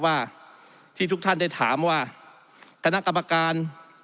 ว่าที่ทุกท่านได้ถามว่าคณะกรรมการ